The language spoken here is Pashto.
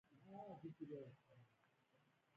ازادي راډیو د د کار بازار په اړه سیمه ییزې پروژې تشریح کړې.